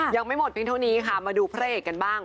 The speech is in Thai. ยังไม่หมดเพียงเท่านี้ค่ะมาดูพระเอกกันบ้าง